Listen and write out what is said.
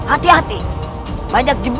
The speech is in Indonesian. aku akan menemukanmu